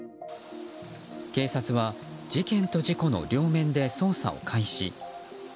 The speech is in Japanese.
警察は事件と事故の両面で捜査を開始。